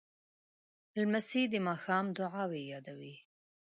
لمسی د ماښام دعاوې یادوي.